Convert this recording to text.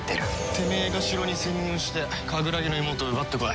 てめえが城に潜入してカグラギの妹奪ってこい。